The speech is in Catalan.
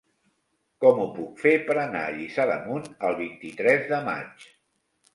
Com ho puc fer per anar a Lliçà d'Amunt el vint-i-tres de maig?